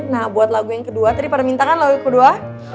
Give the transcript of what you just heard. nah buat lagu yang kedua tadi pada minta kan lagu kedua